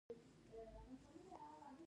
احمدشاه بابا د دین او ملت ساتونکی و.